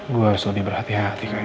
gue harus lebih berhati hati